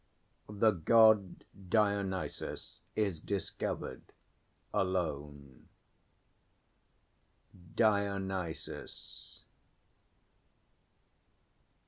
The God_ DIONYSUS is discovered alone. DIONYSUS.